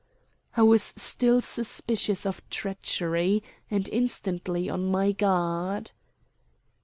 I was still suspicious of treachery, and instantly on my guard.